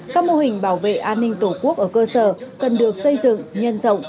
các mô hình bảo vệ an ninh tổ quốc ở cơ sở cần được xây dựng nhân rộng